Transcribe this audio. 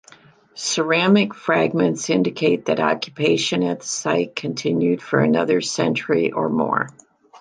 Ceramic fragments indicate that occupation at the site continued for another century or more.